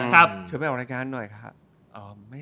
ขอบคุณมากหน่อยคะ